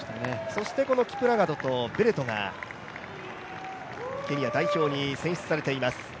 そしてこのキプラガトベレトがケニア代表に選出されています。